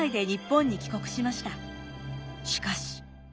しかし。